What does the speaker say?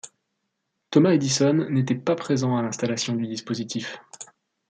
Thomas Edison n'était pas présent à l'installation du dispositif.